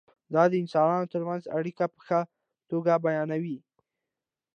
دا د انسانانو ترمنځ اړیکه په ښه توګه بیانوي.